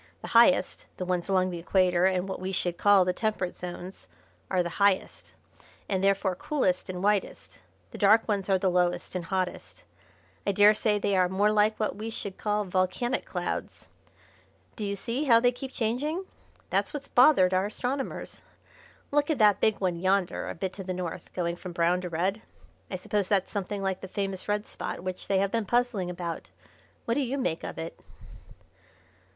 The highest the ones along the Equator and what we should call the Temperate Zones are the highest, and therefore coolest and whitest. The dark ones are the lowest and hottest. I daresay they are more like what we should call volcanic clouds. Do you see how they keep changing? That's what's bothered our astronomers. Look at that big one yonder a bit to the north, going from brown to red. I suppose that's something like the famous red spot which they have been puzzling about. What do you make of it?"